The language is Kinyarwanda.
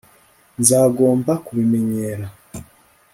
nzagomba kubimenyera